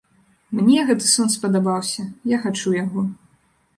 Мне гэты сон спадабаўся, я хачу яго.